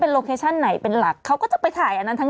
เมื่อไม่มีกลองถ่ายเขาก็ใช้ชีวิตปกตินะคุณ